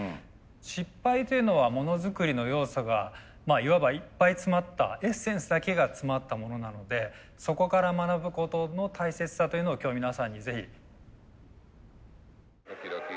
失敗というのはものづくりの要素がいわばいっぱい詰まったエッセンスだけが詰まったものなのでそこから学ぶことの大切さというのを今日皆さんにぜひ。